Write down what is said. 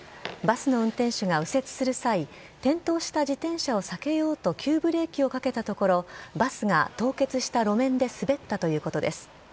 バスの運転手が右折する際転倒した自転車を避けようと急ブレーキをかけたところバスが凍結した路面で滑ったということです。